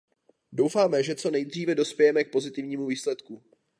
Doufáme, že co nejdříve dospějeme k pozitivnímu výsledku.